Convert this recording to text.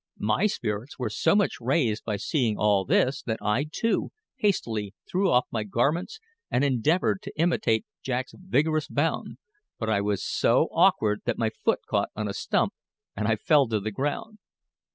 My spirits were so much raised by seeing all this that I, too, hastily threw off my garments and endeavoured to imitate Jack's vigorous bound; but I was so awkward that my foot caught on a stump, and I fell to the ground.